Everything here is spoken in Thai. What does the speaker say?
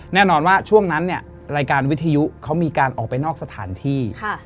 แน่นอนว่าช่วงนั้นเนี่ยรายการวิทยุเขามีการออกไปนอกสถานที่